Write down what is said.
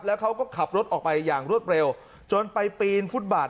แล้วเขาก็ขับรถออกไปอย่างรวดเร็วจนไปปีนฟุตบาท